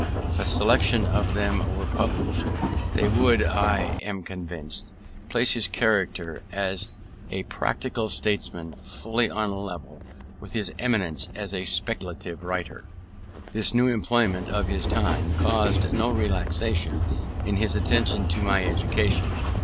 If a selection of them were published, they would, I am convinced, place his character as a practical statesman fully on a level with his eminence as a speculative writer. This new employment of his time caused no relaxation in his attention to my education.